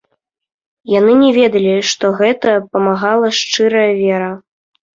Яны не ведалі, што гэта памагала шчырая вера.